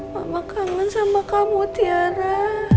mama kangen sama kamu tiara